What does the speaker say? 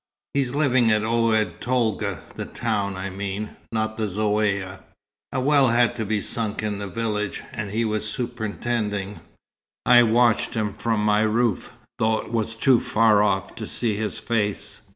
He's living at Oued Tolga the town, I mean; not the Zaouïa. A well had to be sunk in the village, and he was superintending. I watched him from my roof, though it was too far off to see his face.